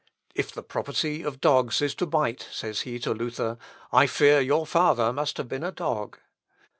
"If the property of dogs is to bite," says he to Luther, "I fear your father must have been a dog."